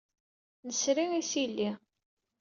Nesri isili.